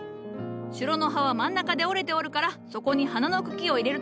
シュロの葉は真ん中で折れておるからそこに花の茎を入れるとずれないぞ。